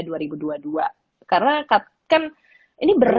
karena kan ini berat nih ya